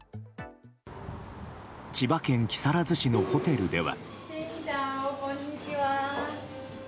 千葉県木更津市のホテルでは。